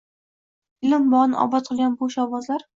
Ilm bog‘in obod qilgan bu shovvozlar